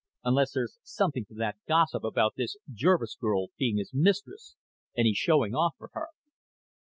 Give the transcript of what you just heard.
Unless there's something to that gossip about this Jervis girl being his mistress and he's showing off for her."